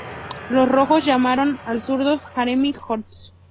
Los Rojos, llamaron al zurdo Jeremy Horst.